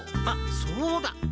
あっそうだ。